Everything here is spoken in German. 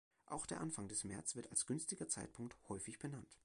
Auch der Anfang des März wird als günstiger Zeitpunkt häufig benannt.